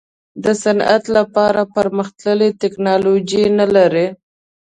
د صنعت لپاره پرمختللې ټیکنالوجي نه لري.